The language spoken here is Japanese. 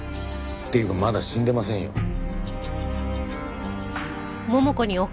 っていうかまだ死んでませんよ。